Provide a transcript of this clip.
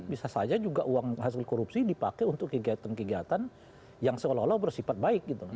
bisa saja juga uang hasil korupsi dipakai untuk kegiatan kegiatan yang seolah olah bersifat baik gitu